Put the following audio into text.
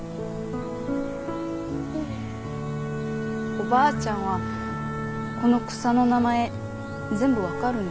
おばあちゃんはこの草の名前全部分かるんですか？